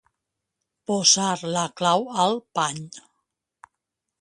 Posar la clau al pany.